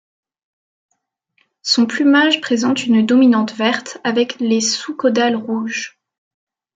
Son plumage présente une dominante verte avec les sous-caudales rouges.